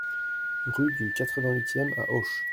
Rue du quatre-vingt-huitème à Auch